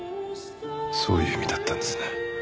そういう意味だったんですね。